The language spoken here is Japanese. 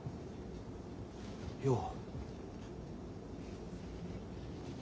よう。